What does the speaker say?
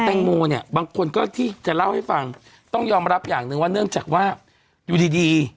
แตงโมเนี่ยบางคนก็ที่จะเล่าให้ฟังต้องยอมรับอย่างหนึ่งว่าเนื่องจากว่าอยู่ดีดี